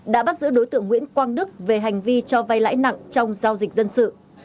đã bắt giữ đối tượng nguyễn quang đức về hành vi cho vay lãi nặng trong giao dịch dân sự